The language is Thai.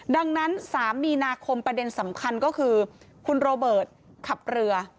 ดังนั้น๓มีนาคมประเด็นสำคัญก็คือคุณโรเบิร์ตขับเรือ